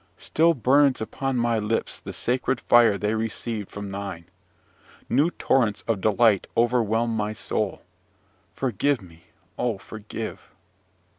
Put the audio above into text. Still burns upon my lips the sacred fire they received from thine. New torrents of delight overwhelm my soul. Forgive me, oh, forgive!